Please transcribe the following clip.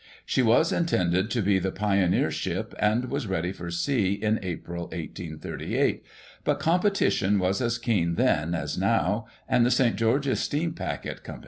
She was intended to be the pioneer ship, and was ready for sea in April, 1838; but competition was as keen then as now, and the St. Georges Steam Packet Coy.